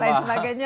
dan lain sebagainya